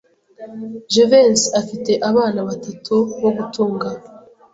Jivency afite abana batatu bo gutunga.